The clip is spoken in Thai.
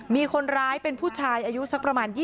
มีคนร้ายเป็นผู้ชายอายุสักประมาณ๒๐